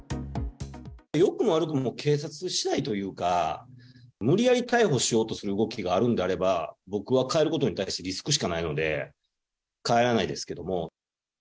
よくも悪くも警察しだいというか、無理やり逮捕しようとする動きがあるんであれば、僕は帰ることに対して、リスクしかないので、帰らないですけども。